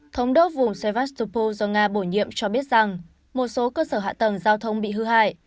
thống đốc vùng sevastopo do nga bổ nhiệm cho biết rằng một số cơ sở hạ tầng giao thông bị hư hại